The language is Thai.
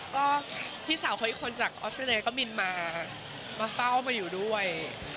ก็พี่สาวอีกคนจากออสเมด็ปก็บินมาเฝ้ามาอยู่ด้วย